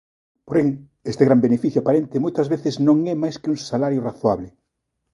Porén, este gran beneficio aparente moitas veces non é máis que un salario razoable.